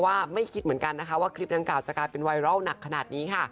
ไม่คิดเหมือนกันนะคะว่าคลิปดังกล่าจะกลายเป็นไวรัลหนักขนาดนี้ค่ะ